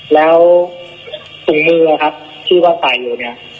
แล้วถุงมือครับที่ว่าใส่อยู่เนี่ย